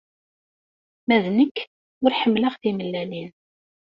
Ma d nekk, ur ḥemmleɣ timellalin.